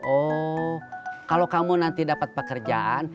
oh kalau kamu nanti dapat pekerjaan